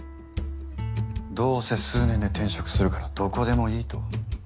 どうせ数年で転職するからどこでもいいと？